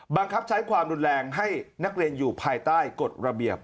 บังคับใช้ความรุนแรงให้นักเรียนอยู่ภายใต้กฎระเบียบ